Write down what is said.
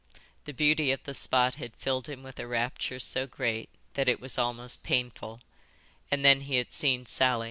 The beauty of the spot had filled him with a rapture so great that it was almost painful, and then he had seen Sally.